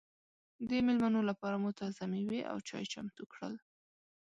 د مېلمنو لپاره مو تازه مېوې او چای چمتو کړل.